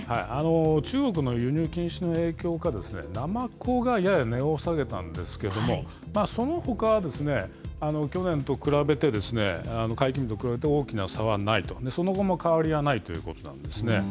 中国の輸入禁止の影響かナマコがやや値を下げたんですけども、そのほかはですね、去年と比べて、解禁日と比べて大きな差はないと、その後も変わりはないということなんですね。